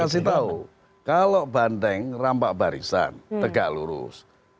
kasih tahu kalau bandeng rampak barisan tegak lurus